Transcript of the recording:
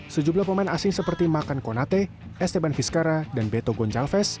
sejumlah pemain asing seperti makan konate esteban vizcara dan beto goncalves